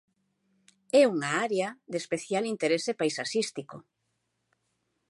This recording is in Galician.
É unha área de especial interese paisaxístico.